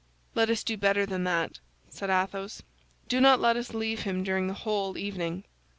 "Let us do better than that," said Athos; "do not let us leave him during the whole evening.